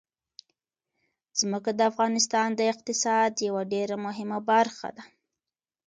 ځمکه د افغانستان د اقتصاد یوه ډېره مهمه برخه ده.